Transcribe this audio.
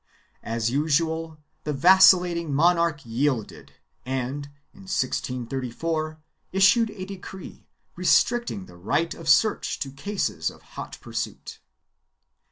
As usual, the vacillating monarch yielded and, in 1634, issued a decree restricting the right of search to cases of hot pursuit.